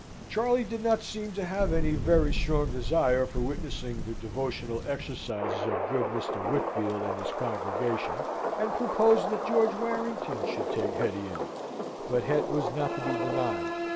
Charley did not seem to have any very strong desire for witnessing the devotional exercises of good Mr. Whitfield and his congregation, and proposed that George Warrington should take Hetty in; but Het was not to be denied.